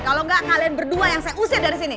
kalau enggak kalian berdua yang saya usir dari sini